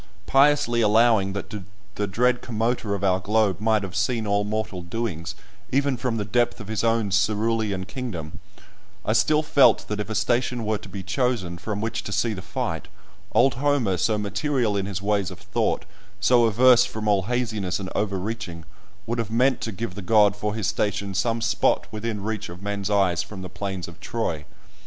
Piously allowing that the dread Commoter of our globe might have seen all mortal doings, even from the depth of his own cerulean kingdom, I still felt that if a station were to be chosen from which to see the fight, old Homer, so material in his ways of thought, so averse from all haziness and overreaching, would have meant to give the god for his station some spot within reach of men's eyes from the plains of Troy.